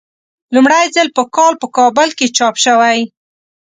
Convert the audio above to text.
لومړی ځل په کال په کابل کې چاپ شوی.